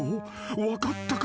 ［分かったか？